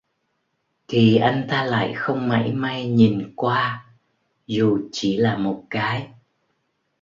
Thì anh ta lại không mảy may nhìn qua dù chỉ là một cái